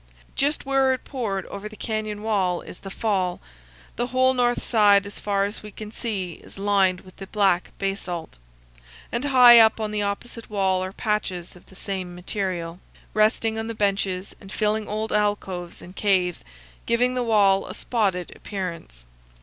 Just where it poured over the canyon wall is the fall. The whole north side as far as we can see is lined with the black basalt, and high up on the opposite wall are patches of the same material, resting on the benches and filling old alcoves and caves, giving the wall a spotted appearance.